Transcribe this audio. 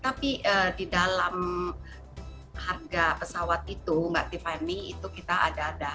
tapi di dalam harga pesawat itu mbak tiffany itu kita ada ada